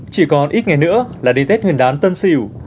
chỉ còn ít ngày nữa là đê tết nguyên đán tân xỉu